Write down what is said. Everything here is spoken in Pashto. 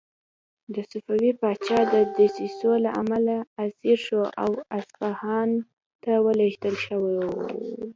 د صفوي پاچا د دسیسو له امله اسیر شو او اصفهان ته ولېږدول شو.